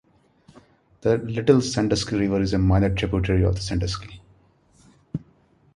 The Little Sandusky River is a minor tributary of the Sandusky.